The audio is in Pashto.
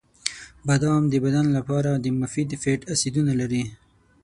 • بادام د بدن لپاره د مفید فیټ اسیدونه لري.